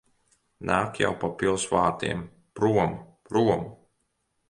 Nāk jau pa pils vārtiem. Prom! Prom!